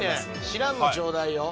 知らんのちょうだいよ